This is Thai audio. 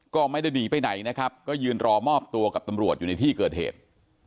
ก็ไม่ได้หนีไปไหนนะครับก็ยืนรอมอบตัวกับตำรวจอยู่ในที่เกิดเหตุ